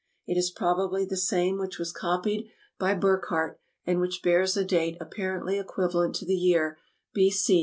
It ASIA 269 is probably the same which was copied by Burckhardt, and which bears a date apparently equivalent to the year B.C.